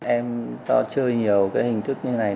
em do chơi nhiều cái hình thức như này